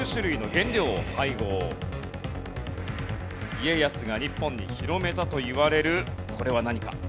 家康が日本に広めたといわれるこれは何か。